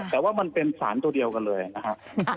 แต่ว่ามันเป็นสารตัวเดียวกันเลยนะครับ